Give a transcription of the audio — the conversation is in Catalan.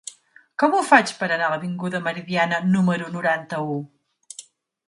Com ho faig per anar a l'avinguda Meridiana número noranta-u?